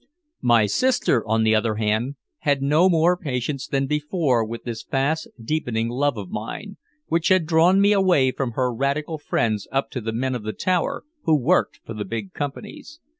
My sister, on the other hand, had no more patience than before with this fast deepening love of mine, which had drawn me away from her radical friends up to the men of the tower who worked for the big companies.